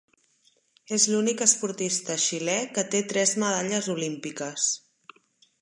És l'únic esportista xilè que té tres medalles olímpiques.